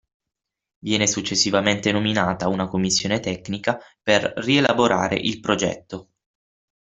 Viene successivamente nominata una commissione tecnica per rielaborare il progetto.